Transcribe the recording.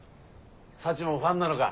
サチもファンなのか。